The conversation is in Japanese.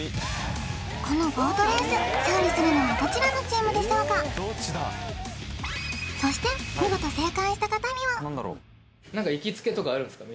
このボートレース勝利するのはどちらのチームでしょうかそして見事正解した方には何か行きつけとかあるんですか？